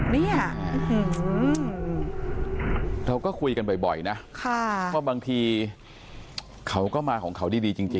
เนี้ยเราก็คุยกันบ่อยบ่อยนะค่ะเพราะบางทีเขาก็มาของเขาดีดีจริงจริง